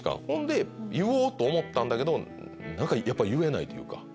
ほんで言おうと思ったんだけど何かやっぱ言えないというか。